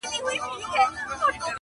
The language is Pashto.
مینه وړي یوه مقام لره هر دواړه.